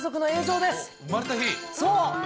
そう。